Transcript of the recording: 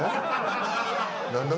何だ？